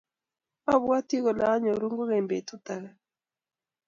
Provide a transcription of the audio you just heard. Abwati kole anyorun kogeny betut age